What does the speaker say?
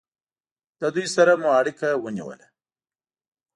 له دوی سره مو اړیکه ونیوله.